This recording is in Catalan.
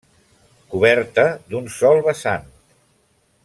Coberta d'un sol vessant.